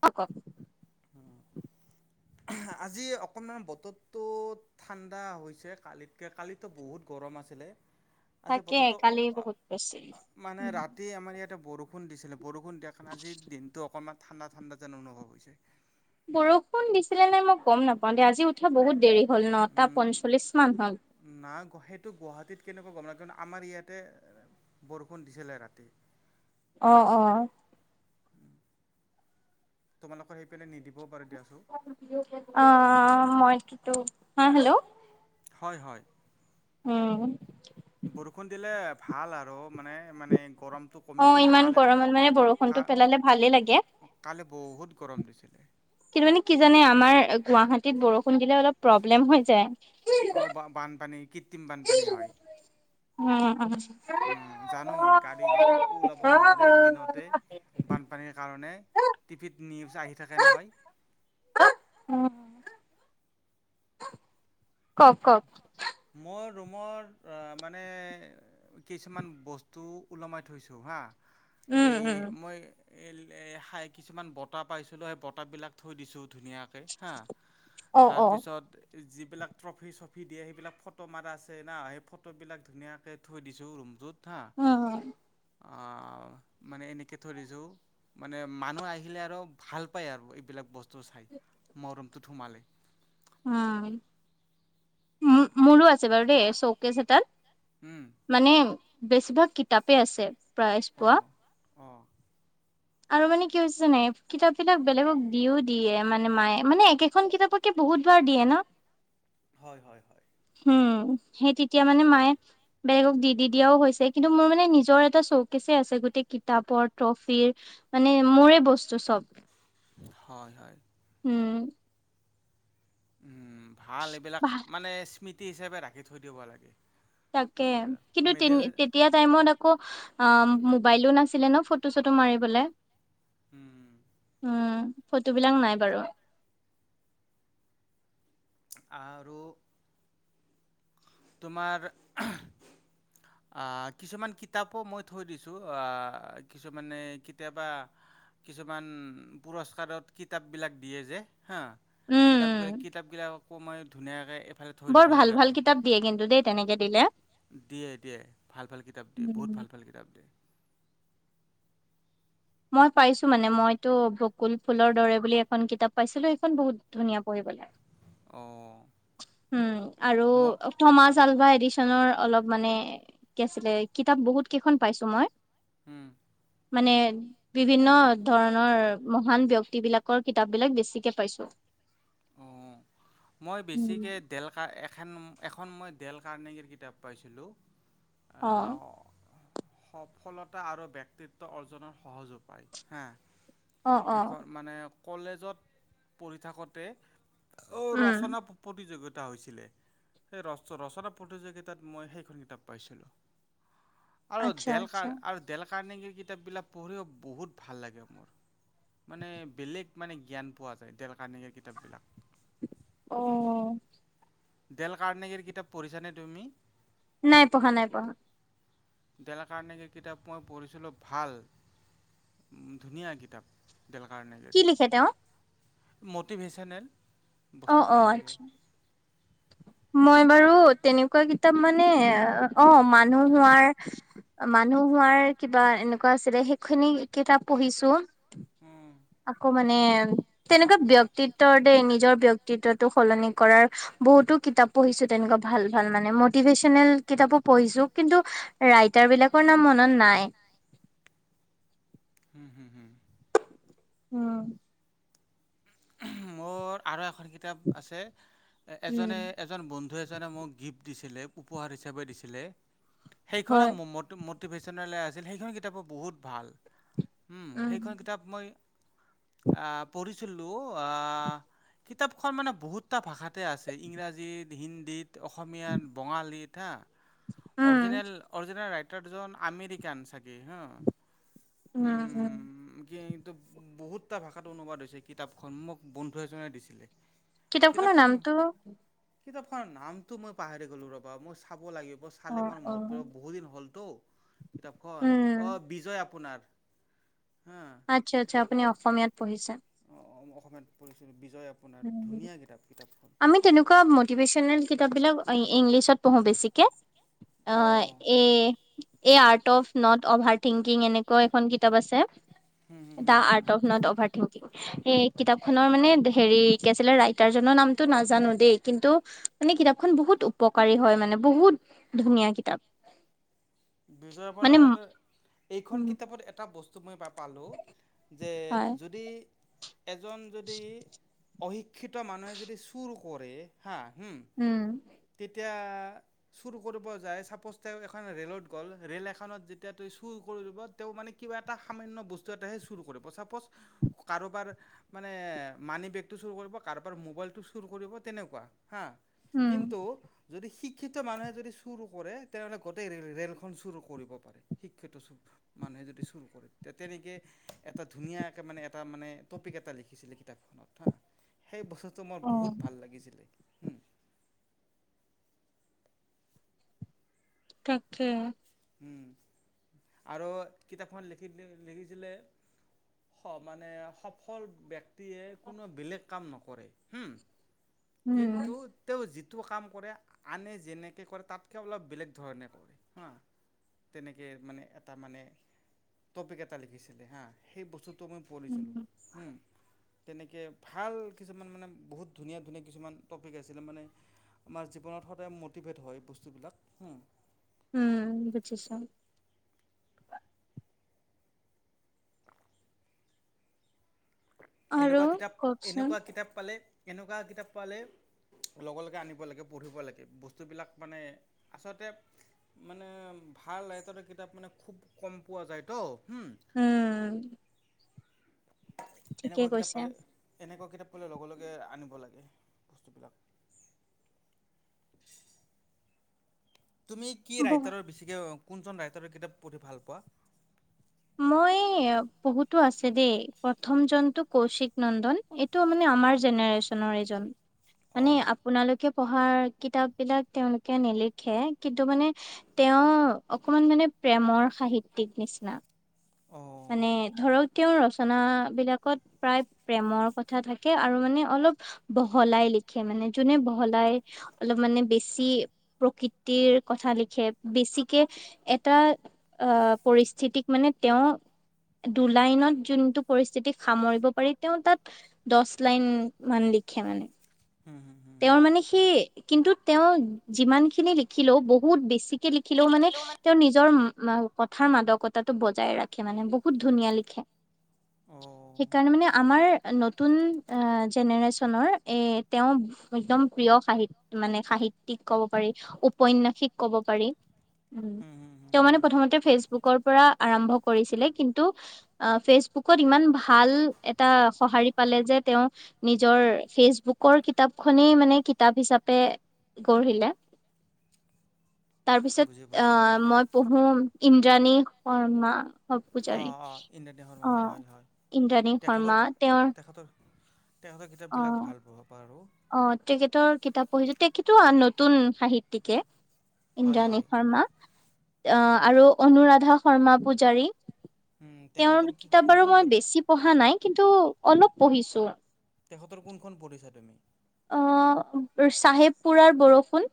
ক ক [unintelligible] উ [unintelligible] আজি অকনমান বতৰতটো ঠাণ্ডা হৈছে কালিতকে কালো বহুত গৰম আছিলে। আজি তাকে বতৰটো কালি বহুত বেছ। এতিয়া বৰষুণ দিছিলে বৰষুণ দিয়া কাৰণ আজি দিনতটো অকনমান ঠাণ্ডা ঠাণ্ডা যেন অনুভৱ হৈছে। বৰষুণ দিছিলে নাই মই গম নাপাওঁ দে আজি উঠা বহুত দেৰি। হল নটা পঞ্চল্লিশ মান হল। না সেইটো গুৱাহাটীত কেনেকুৱা গম ন কিয়ন আমাৰ ইয়াতে বৰষুণ দিছিলে ৰাতি। আহ অ'। তোমালোকৰ সেই পিনে নিদিবও পাৰে দিয়াচোন। অ, মই টুটো হা হেল্ল', হয় হয়। উম। বৰষুণ দিলে ভাল আৰু মানে মানে গৰমটো কমি গৈছে কালি। কা বৰষুণতটো পেলালে ভালেই লাগে। কালি বহুত গৰম দিছিলে। কিন্তু মানে কি জানে আমাৰ গুৱাহাটীত বৰষুণ দিলে অলপ প্ৰব্লেম হৈ যায়। অ, বানপানী কৃত্ৰিম বানপানী হয়। উম, উম, উম, জানো গাড়ী ওলাব নোৱাৰে দিনতে। বানপানীৰ কাৰণে টিভিত নিউজ আহি থাকে নহয়। উম, কওক-কওক, ৰুমত মানে কিছুমান বস্তু ওলমাই থৈছোঁ হা। উম এই উম মই এই-এই খাই কিছুমান বতাহ পাইছিলোঁ সেই বতাহবিলাক থৈ দিছোঁ। ধুনীয়াকৈ হা অ অ তাৰপিছত যিবিলাক ট্ৰফি চ ভিডিঅ' সেইবিলাক ফটো মাৰা আছে না সেই ফটোবিলাক ধুনীয়াকৈ থৈ দিছোঁ ৰুমটোত। উম, উম, অ, মানে এনেকে থৈদিছো মানে মানুহ আহিলে আৰু ভাল পায় আৰু এইবিলাক বস্তু। চাই মোৰটো ৰুমটোত সোমালে। উ মোৰো আছে বাৰু দেই চৌকেছ এতাত মানে বেছিভাগ কিতাপেই আছে প্ৰায়জ পোৱা। অ, আৰু মানে কি হৈছে নে কিতাপ বিলাক বেলেগক দিও দিয়ে মানে মায়ে মানে একেখন কিতাপক, বহুতবাৰ দিয়ে ন। হয়-হয়-হয়, উম, সেই তেতিয়া মানে মায়ে বেলেগক দি-দি দিয়াও হৈছে কিন্তু মোৰ মানে নিজৰ এটা চৌকেছ আছে গোটেই কিতাপৰ ট্ৰফিৰ মানে মোৰে বস্তু চব। হয়-হয়। উম, উম, ভাল এইবিলাক ভাল মানে স্মৃতি হিচাপে ৰাখি থৈ দিব লাগে। তাকে বস্তুবিলাক কিন্তু মেডেল তেতিয়া টাইমত আকৌ অ', বাইলো নাছিলে ন ফটো চটো মাৰিবলে উম, উম, ফটোবলাক নাই বাৰু। আৰু তোমাৰ আহ, কিছুমান কিতাপো মই থৈ দিছো। আহ, কিছুমানে কেতিয়াবা? কিছুমান পুৰস্কাৰত কিতাপ বিলাক দিয়ে যে হা উম উম কিতাপ-কিতাপ গিলাককো মই ধুনীয়াকে বৰ ভাল-ভাল কিতাপ দিয়া। দিয়ে-দিয়ে ভাল-ভাল কিতাপ দিয়ে বহুত উম, ভাল-ভাল কিতাপ দিয়ে। মই পাইছো মানে মইতো বকুল ফুলৰ দৰে বুলি এখন কিতাপ পাইছিলো সেইখন বহুত ধুনীয়া পঢ়িবলে। [inaudible] অ উম, আৰু থমা আলভা এৰি [unintelligible] অলপ মানে কি আছিলে কিতাপ বহুত কেইখন পাইছো মই। উম, মানে বিভিন্ন ধৰণৰ মহান ব্যক্তিবিলাকৰ কিতাপ বিলাক বেছিকে পাইছো। অ মই উম, বেছিকৈ ডেলকা এখেন এখন মই ডেল কাৰ্নেগিৰ কিতাপ পাইছিলোঁ অ আহ, সফলতা আৰু বক্তিত্ব অৰ্জনৰ সহজ উপায় হা, অ অ এখন মানে কলেজত পঢ়ি থাকোঁতে অ' উম ৰচনা প্ৰতিযোগিতা তা হৈছিলে এ ৰচৰচনা প্ৰতিযোগিতাত মই সেইখন কিতাপ পাইছিলোঁ। আৰু আচ্ছা দেলখা আচ্ছা আৰু দেলেক কাৰনেংগিৰ কিতাপবিলাক পঢ়িও বহুত ভাল লাগে মোৰ। মানে বেলেগ মানে জ্ঞান পোৱা যায় ডেল কাৰান্নিকা কিতাপবিলাক। অ', ডেল কাৰ্নেকিৰ কিতাপ পঢ়িছানে তুমি? নাই পঢ়া-নাই পঢ়া। দেল কাৰ্নেগিৰ কিতাপ মই পঢ়িছিলোঁ ভাল উম, ধুনীয়া কিতাপ। দেল কি কাৰ্নেগিৰ লিখে তেওঁ মটিভেচেনেল। অ অ বস্তুবিলাক আচ্ছা লাগে। মই বাৰু তেনেকুৱা কিতাপ মানে অ, মানুহ হোৱাৰ মানুহ হোৱাৰ কিবা এনেকুৱা আছিলে সেইখিনি কিতাপ পঢ়িছো। উম, আকৌ মানে তেনেকুৱা ব্যক্তিত্বৰ দেই নিজৰ ব্যক্তিত্বটো সলনি কৰাৰ বহুতো কিতাপ পঢ়িছো তেনেকুৱা ভাল-ভাল মানে মটিভেচনেল কিতাপো পঢ়িছো কিন্তু ৰাইটাৰ এবিলাকৰ নাম মনত নাই। [unintelligible] উম উম উম। অ', মোৰ আৰু এখন কিতাপ আছে এজনে উম এজন বন্ধু এজনে মোক গিফ্ট দিছিলে উপহাৰ হিচাপে দিছিলে সেইখনো হয় মটো-মটিভেচনেলেৰ আছিল সেইখন কিতাপো বহুত ভাল। উম, সেইখন কিতাপ মই আ পঢ়িছ টো, আ, কিতাপখন মানে বহুতটা ভাষাতে আছে, ইংৰাজীত, হিন্দীত অসমীয়াত, বঙালীত, হা, উম অৰজিনেল-অৰজিনেল ৰাই টাৰজন আমেৰিকান চাগে হা, উম, কি বহুতটা ভাষাত অনুবাদ হৈছে কিতাপখন, মোক বন্ধু এজনে দিছিলে। কিতাপখনৰ কিতাপখন নামটো? কিতাপখনৰ নামটো মই পাহৰি গ'লো ৰ'বা, মই চাব লাগি অ চালে মোৰ অ মনত পৰিব, বহুত দিন হ'লতো কিতাপখন, উম অ', বিজয় আপোনাৰ হা আচ্ছা আচ্ছা, আপুনি অসমীয়াত পঢ়িছে? অ', মই অসমীয়াত পঢ়িছিলোঁ বিজ উম, আমি তেনেকুৱা মটিভেশ্যনেল কিতাপ বিলাক অ' ই ইংলিছত পঢ়ো বেছিকে, আ অ এ-এ art of not over thinking এনেকুৱাও এখন কিতাপ আছে হুম হুম দা হুম হুম art hmm of not over thinking হে কিতাপখনৰ মানে দে হেৰি কি আছিলে, ৰাইটাৰজনৰ নামটো নাজানো দেই, কিন্তু মানে কিতাপখন বহুত উপকাৰী হয় মানে। বহুত ধুনীয়া কিতাপ। বিজয় মানে আপানাৰ, এইখন উম কিতাপত এটা বস্তু মই পা পালো যে হয় যদি এজন যদি, অশিক্ষিত মানুহে যদি চুৰ কৰে, হা হুম, উম তেতিয়া চুৰ কৰিব যায়, চাপ'জ তেওঁ এখন ৰে'লৰ দো গ'ল, ৰেল এখনত যেতিয়া তেওঁ চুৰ কৰিব তেওঁ মানে কিবা এটা সামান্য বস্তু এটহে চুৰ কৰিব। চাপ'জ কাৰোবাৰ মানে মানি বেগটো চুৰ কৰিব, কাৰোবাৰ মোবাইলটো চুৰ কৰিব তেনেকুৱা। হা,। উম কিন্তু যদি শিক্ষিত মানুহে যদি চুৰ কৰে তেনেহ'লে গোটেই ৰেল ৰেলখন চুৰ কৰিব পাৰে শিক্ষিত মানুহে যদি চুৰ কৰে। তে তেনেকে এটা ধুনীয়াকে মানে এটা মানে টপিক এটা লিখিছিলে কিতাপখনত হা, সেই বস্তুটো মোৰ অ বহুত ভাল লাগিছিলে হু। তাকে। উম, আৰু কিতাপখন লিখিপেলাই লিখিছিলে স মানে সফল বক্তিয়ে কোনো বেলেগ কাম নকৰে হু। উম কিন্তু তেওঁ জ কাম কৰে, আনে যেনেকে কৰে তাতকে অলপ বেলেগ ধৰণে কৰে হা তেনেকে মানে এটা মানে টপিক এটা লিখিছিলে হা, সেই বস্তু ত মই পৰিছিলো, উম। তেনেকে ভাল কিছুমান মানে বহুত ধুনীয়া-ধুনীয়া কিছুমান টপিক আছিলে মানে আমাৰ জীৱনত সদায় মটিভেট হয় বস্তুবিলাক। উম বুজিছো। আৰু এনেকুৱা কিতাপ, কওকচোন এনেকুৱা কিতাপ পালে, এনেকুৱা কিতাপ পালে লগে-লগে আনিব লাগে পঢ়িব লাগে বস্তুবিলাক মানে আচলতে মানে ভাল ৰাইটাৰৰ কিতাপ মানে খুব কম পোৱা যায়তো। হুম উম, ঠিকেই এনেকুৱা কিতাপ কৈছে পালে, এনেকুৱা কিতাপলৈ লগে-লগে আনিব লাগে বস্তুবিলাক তুমি কি বহুত ৰাইটাৰৰ বেছিকৈ, কোনজন ৰাইটাৰৰ কিতাপ পঢ়ি ভাল পোৱা? মই বহুতো আছে দেই প্ৰথম জনটো কৌশিক নন্দন এইটো মানে আমাৰ জেনেৰেচনৰ এজন, মানে অঁ আপোনালোকে পঢ়াৰ কিতাপবিলাক তেওঁলোকে নিলিখে কিন্তু মানে তেওঁ অকমান মানে প্ৰেমৰ সাহিত্যিক নিচিনা। অঁ মানে ধৰক তেওঁৰ ৰচনা বিলাকত প্ৰায় প্ৰেমৰ কথা থাকে আৰু মানে, অলপ বহলাই লিখে মানে, যোনে বহলাই অলপ মানে বেছি প্ৰকৃতি কথা লিখে বেছিকে এটা অহ পৰিস্থিতিক মানে তেওঁ দু লাইনত যোনটো পৰিস্থিতি সামৰিব পাৰি তেওঁ তাত দচলাইন লিখে মানে। হুম হুম হুম তেওঁৰ মানে সেই, কিন্তু তেওঁ যিমানখিনি লিখিলেও বহুত বেছি লিখিলেও মানে তেওঁৰ নিজৰ কথাৰ মাদকতাটো বজাই ৰাখে মানে বহুত ধুনীয়া লিখে। অঁ সেইকাৰণে মানে আমাৰ নতুন আহ জেনেৰেচনৰ এ তেওঁ একদম প্ৰিয় সাহিত মানে সাহিত্যিক ক'ব পাৰি, ঔপন্যাসিক ক'ব পাৰি। উম হুম হুম হুম তেওঁ মানে হুম প্ৰথমতে ফেচবুকৰ আৰম্ভ কৰিছিলে কিন্তু ফেচবুকত ইমান ভাল এটা সঁহাৰি পালে। লে যে তেঁও নিজৰ ফেচবুকৰ কিতাপ খনেই মানে কিতাপ হিচাপে গঢ়িলে। তাৰ পিছত বুজি পাইছোঁ আহ মই পঢ়ো ইন্দ্ৰাণী শৰ্মা। পূজাৰী অঁ অঁ ইন্দ্ৰনীল শৰ্মা হয় অহ হয় হয় ইন্দ্ৰাণী শৰ্মা তেওঁৰ তেঁৰ কিতাপ বিলাক অ', ভাল পাব পাৰো। অ তেখেতৰ কিতাপ পঢ়িছো, তেখেতো নতুন সাহিত্যিকে। হয় ইন্দ্ৰাণী হয় শৰ্মা, আহ আৰু অনুৰাধা শৰ্মা পূজাৰী। উম তেখেতৰ তেওঁৰ কি কিতাপ বাৰু কোনখন মই বেছি পঢ়া নাই, কিন্তু অলপ পঢ়িছো। তেখঁতৰ কোনখন পঢ়ছা তুমি। অ' চাহেবপুৰাৰ বৰষুণ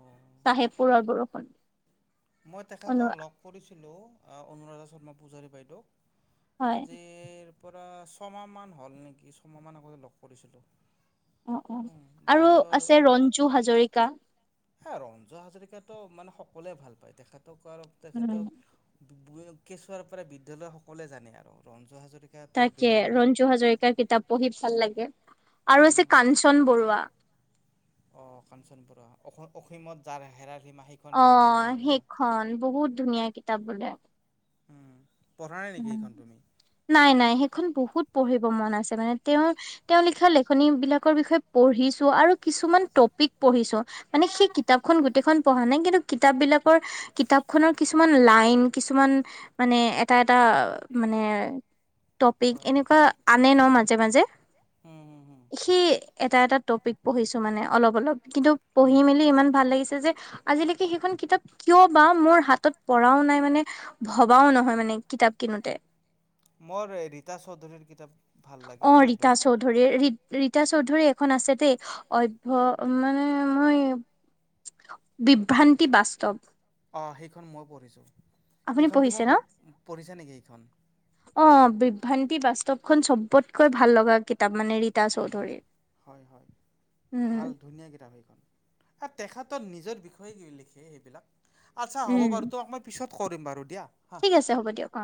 অঁ চাহেবপুৰৰ বৰষুণ। মই অনু তেখেতক লগ কৰিছিলো, আ অনুৰাধা শৰ্মা পূজাৰী বাইদেউ। হয় আজি ৰপ পৰা ছমাহ মান হ'ল নেকি, ছমাহ মান আগতে লগ কৰিছিলো। অ, অ, আৰু আছে ৰঞ্জু হাজৰিকা। হে ৰঞ্জু হাজৰিকাতো মানে সকলোৱে ভাল পায়, তেখেতক আৰু উম তেখেতক কেঁচুৱাৰ পৰা বিদ্যালয় সকলোৱে জানে আৰু ৰঞ্জু হাজ তাকে ৰঞ্জু হাজৰিকাৰ কিতাপ পঢ়ি ভাল লাগে। আৰু আছে কাঞ্চন বৰুৱা। অ, কাঞ্চন বুৰুৱা অ, অসীমত যাৰ হেৰাৰ অ, সেইখন বহুত ধুনীয়া কিতাপ বোলে আ উম, পঢ়া নাই নেকি সেইখন তুমি? নাই, নাই, সেইখন বহুত পঢ়িব মন আছে মানে তেওঁ, তেওঁ লিখা লেখনীবিলাকৰ বিষয়ে পঢ়িছো আৰু কিছুমান টপিক মানে সেই কিতাপ গো পা নাই কিন্তু কিত বিাকৰ কিতাপনৰ কিছুমান লাইন কিছুমান মানে এটা -এটা মানে টপিক হয়। এনেকুৱা আনে ন মে মাজে - মাজে উম, হুম, হুম, সেই এটা এটা টপিক পঢ়িছো মানে অলপ- অলপ। কিন্তু পঢ়ি উম, মেলি ইমান ভাল লাগিছে যে। আজিলৈকে সেইখন কিতাপ কিয় বা মোৰ হাতত পঢ়াও নাই মানে ভবাও নহয় মানে। কিতাপ কিনোতে। মোৰ ৰীতা চৌধুৰীৰ কিতাপ ভাল লাগে অ, ৰীতা বাইদেউৰ। চৌধুৰীৰ ৰীতা চৌধুৰী এখন আছে দেই অভ্য় মানে মই বিভ্ৰান্তি বাস্তৱ। অ, সেইখন মই পঢ়িছো। আপুনি পঢ়িছে ন নেকি সেইখন? আহ বিভ্ৰান্তি বাস্তৱ। খন চবতকৈ ভাল লগা কিতাপ মানে। চৌধুৰীৰ হয় - হয় উম ভাল ধুনীয়া কিতাপ সেইখন এ তেখেত তৰ নিজৰ বিষয়ে কি লিখে সেইবিলাক আচ্ছা হ'ব উম বাৰু তমাক মই পিছত কৰিম বাৰু দিয়া। হা। ঠিক আছে হ'ব দিয়ক অ,